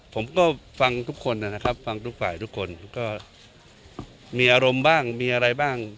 ผมก็ฟังทุกคนนะครับฟังทุกฝ่ายทุกคนก็มีอารมณ์บ้างมีอะไรบ้าง